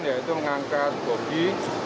yaitu mengangkat bobi